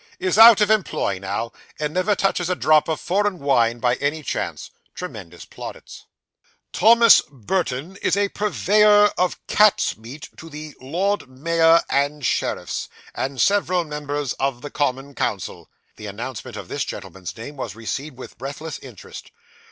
Is out of employ now; and never touches a drop of foreign wine by any chance (tremendous plaudits). 'Thomas Burton is purveyor of cat's meat to the Lord Mayor and Sheriffs, and several members of the Common Council (the announcement of this gentleman's name was received with breathless interest).